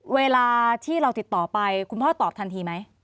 เวลาที่เราติดต่อไปคุณพ่อตอบทันทีไหม